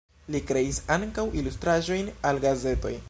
Li kreis ankaŭ ilustraĵojn al gazetoj.